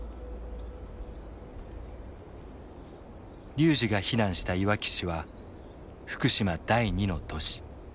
龍司が避難したいわき市は福島第２の都市。